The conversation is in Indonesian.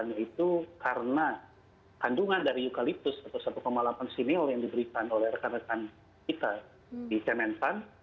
yaitu karena kandungan dari eukaliptus atau satu delapan simil yang diberikan oleh rekan rekan kita di kementan